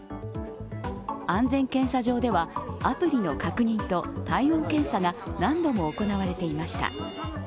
安全検査場ではアプリの確認と体温検査が何度も行われていました。